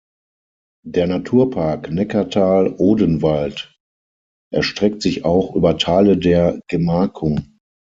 Der Naturpark Neckartal-Odenwald erstreckt sich auch über Teile der Gemarkung.